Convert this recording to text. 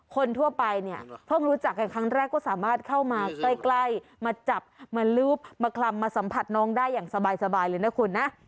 คนทั่วไปเนี่ยเพิ่งรู้จักกันครั้งแรกก็สามารถเข้ามาใกล้มาจับมารูปมาคลำมาสัมผัสน้องได้อย่างสบายเลยนะคุณนะ